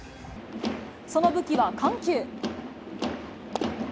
その武器は緩急。